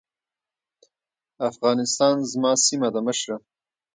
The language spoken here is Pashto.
افغانستان زما سيمه ده مشره.